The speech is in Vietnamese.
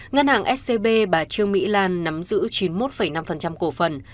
ngân hàng scb bà trương mỹ lan nắm giữ chín mươi một năm cổ phần